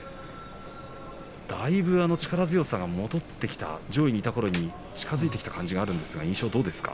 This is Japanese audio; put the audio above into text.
だいぶ力強さが戻ってきた上位にいたころに近づいてきたというような感じですが優勝どうですか。